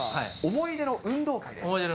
思い出の運動会。